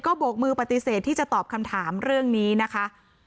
โบกมือปฏิเสธที่จะตอบคำถามเรื่องนี้นะคะ